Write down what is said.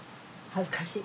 恥ずかしい。